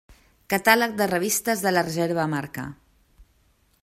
Catàleg de revistes de la Reserva Marca.